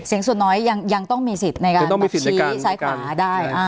เสียงส่วนน้อยยังต้องมีสิทธิ์ในการชี้ซ้ายขวาได้